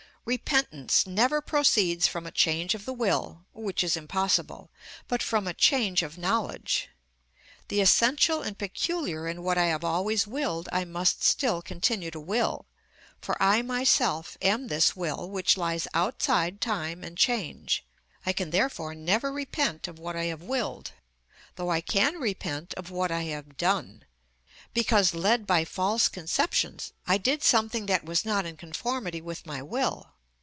Repentance never proceeds from a change of the will (which is impossible), but from a change of knowledge. The essential and peculiar in what I have always willed I must still continue to will; for I myself am this will which lies outside time and change. I can therefore never repent of what I have willed, though I can repent of what I have done; because, led by false conceptions, I did something that was not in conformity with my will.